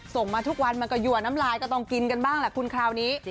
ส่งมาทุกวันมันก็หัวน้ำลายก็ต้องกินกันบ้างแหละคุณคราวนี้